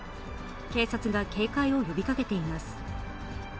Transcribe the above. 警察が警戒を呼びかけています。